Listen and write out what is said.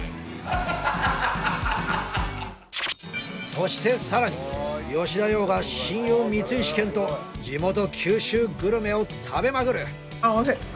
そしてさらに吉田羊が親友光石研と地元九州グルメを食べまくる！